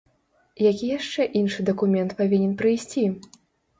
Які яшчэ іншы дакумент павінен прыйсці?